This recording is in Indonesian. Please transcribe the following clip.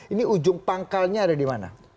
ini ujung pangkalnya ada di mana